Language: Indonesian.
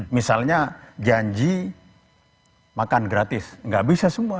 misalnya janji makan gratis nggak bisa semua